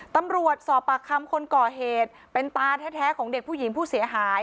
ตำรวจสอบปากคำคนก่อเหตุเป็นตาแท้ของเด็กผู้หญิงผู้เสียหาย